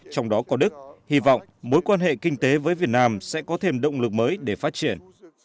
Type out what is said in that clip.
trong đó có đức hy vọng mối quan hệ kinh tế với việt nam sẽ có thêm động lực mới để phát triển